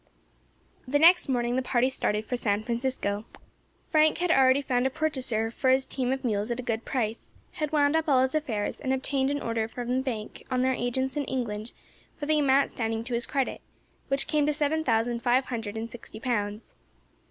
The next morning the party started for San Francisco. Frank had already found a purchaser for his team of mules at a good price, had wound up all his affairs, and obtained an order from the bank on their agents in England for the amount standing to his credit, which came to seven thousand five hundred and sixty pounds.